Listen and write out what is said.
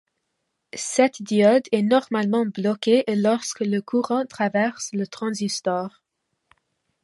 Cette diode est normalement bloquée lorsque le courant traverse le transistor.